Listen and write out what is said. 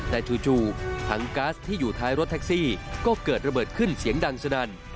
แต่จู่ถังก๊าซที่อยู่ท้ายรถแท็กซี่ก็เกิดระเบิดขึ้นเสียงดังสนั่น